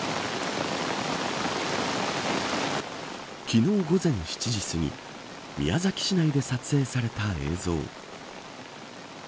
昨日、午前７時すぎ宮崎市内で撮影された映像。